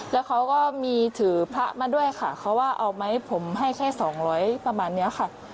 แล้วเขาก็มีถือพระมาด้วยค่ะเขาว่าเอาไหมผมให้แค่สองร้อยประมาณนี้ค่ะ